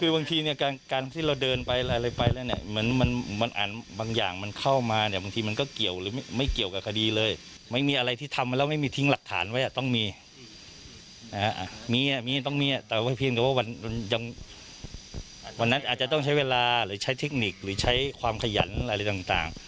วันนั้นอาจจะต้องใช้เวลาหรือใช้เทคนิคหรือใช้ความขยันอะไรต่าง